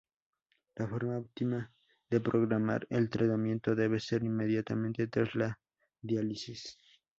La forma óptima de programar el tratamiento debe ser inmediatamente tras la diálisis.